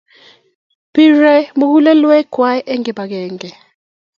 Pirei mugulelwekyok eng kipakenge